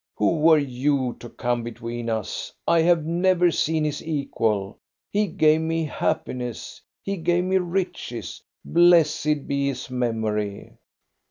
Who were you, to come between us ? I have never seen his equal. He gave me happiness, he gave me riches. Blessed be his memory